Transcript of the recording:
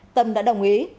tâm đã đồng ý